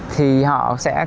thì họ sẽ